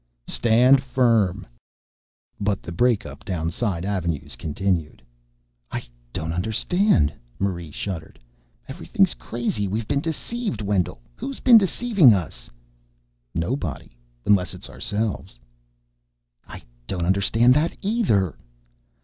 "Stand firm!" But the breakup down side avenues continued. "I don't understand," Marie shuddered. "Everything's crazy. We've been deceived, Wendell. Who's been deceiving us?" "Nobody unless it's ourselves." "I don't understand that either."